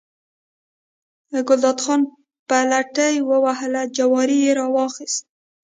ګلداد خان پلتۍ ووهله، جواری یې راواخیست.